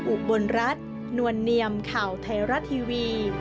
อุบลรัฐนวลเนียมข่าวไทยรัฐทีวี